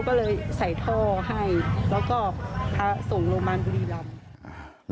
ก็เลยใส่ท่อให้แล้วก็พาส่งโรงพยาบาลบุรีรำ